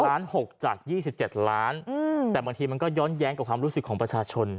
ล้าน๖จาก๒๗ล้านแต่บางทีมันก็ย้อนแย้งกับความรู้สึกของประชาชน